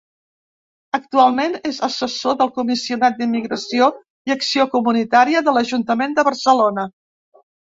Actualment és assessor del Comissionat d'Immigració i Acció Comunitària de l'ajuntament de Barcelona.